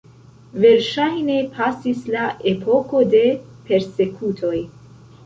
Verŝajne pasis la epoko de persekutoj.